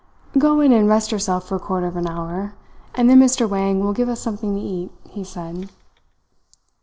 "Go in and rest yourself for a quarter of an hour; and then Mr. Wang will give us something to eat," he said.